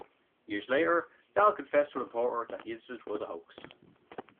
Years later, Dahl confessed to a reporter that the incident was a hoax.